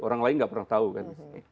orang lain nggak pernah tahu kan